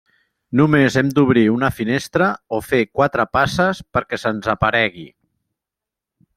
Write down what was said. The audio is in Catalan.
Només hem d'obrir una finestra o fer quatre passes perquè se'ns aparegui.